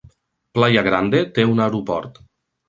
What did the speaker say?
Playa Grande té un aeroport.